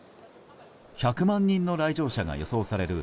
１００万人の来場者が予想される